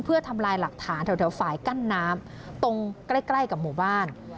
เพื่อทำลายหลักฐานแถวฝ่ายกั้นน้ำตรงใกล้ใกล้กับหมู่บ้าน